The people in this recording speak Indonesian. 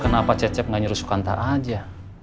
kenapa cecep gak nyuruh sukantar aja